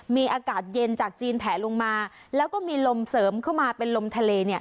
มีอากาศเย็นจากจีนแผลลงมาแล้วก็มีลมเสริมเข้ามาเป็นลมทะเลเนี่ย